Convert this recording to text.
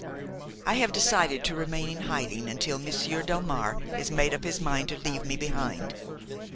I have decided to remain in hiding until Monsieur Delmare has made up his mind to leave me behind.